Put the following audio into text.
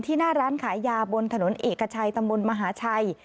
ที่หน้าร้านขายยาบนถนนเอกชัยตะมนต์มหาชัย